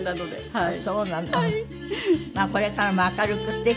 はい。